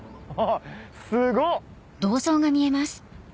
すごっ！